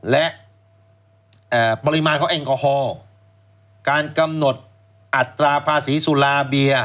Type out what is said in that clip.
และปริมาณของแอลกอฮอล์การกำหนดอัตราภาษีสุราเบียร์